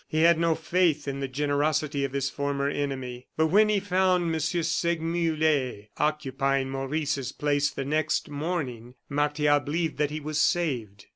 He had no faith in the generosity of his former enemy. But when he found M. Segmuller occupying Maurice's place the next morning, Martial believed that he was saved.